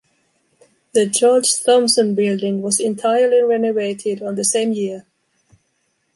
The George Thomson building was entirely renovated on the same year